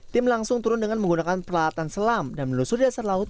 tim langsung turun dengan menggunakan peralatan selam dan menelusuri dasar laut